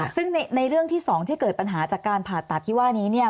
ซึ่งในเรื่องที่๒ที่เกิดปัญหาจากการผ่าตัดที่ว่านี้เนี่ย